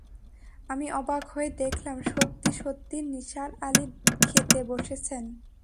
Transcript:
আমি অবাক হয়ে দেখলাম সত্যি-সত্যি নিসার আলি খেতে বসেছেন।